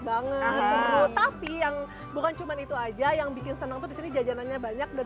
banget tapi yang bukan cuman itu aja yang bikin senang tuh disini jajanannya banyak dan